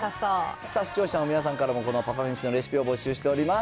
視聴者の皆さんから、このパパめしのレシピを募集しております。